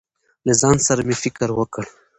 له ځان سره مې فکر وکړ.